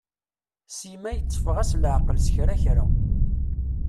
Sima yetteffeɣ-as leɛqel s kra kra.